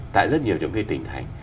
tại rất nhiều những cái tỉnh thành